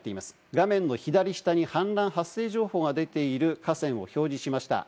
画面の左下に氾濫発生情報が出ている河川を表示しました。